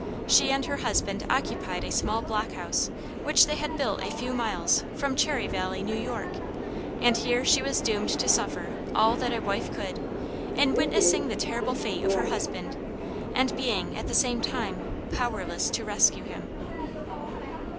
She and her husband occupied a small block house which they had built a few miles from Cherry Valley, New York, and here she was doomed to suffer all that a wife could, in witnessing the terrible fate of her husband and being at the same time powerless to rescue him.